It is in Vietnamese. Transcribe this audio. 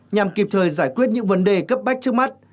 nhằm kịp thời giải quyết những vấn đề cấp bách trước mắt